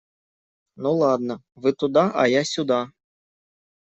Ну ладно, вы туда, а я сюда.